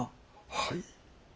はい。